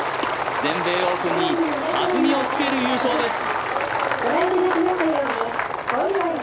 全米オープンに弾みをつける優勝です。